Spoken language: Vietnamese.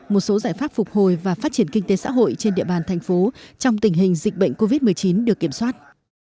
một số giải pháp phục hồi và phát triển kinh tế xã hội trên địa bàn thành phố trong tình hình dịch bệnh covid một mươi chín được kiểm soát